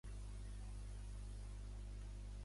Solament els genis som modests.